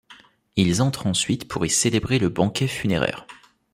Ils entrent ensuite pour y célébrer le banquet funéraire.